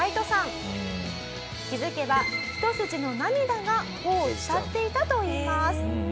気づけば一筋の涙が頬を伝っていたといいます。